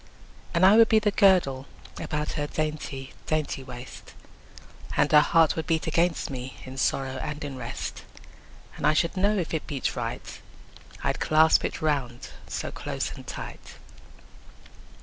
And I would be the girdle About her dainty dainty waist, And her heart would beat against me, In sorrow and in rest: 10 And I should know if it beat right, I'd clasp it round so close and tight.